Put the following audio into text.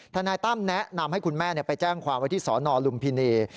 นายตั้มแนะนำให้คุณแม่ไปแจ้งความไว้ที่สนลุมพินี